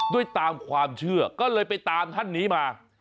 ตามความเชื่อก็เลยไปตามท่านนี้มา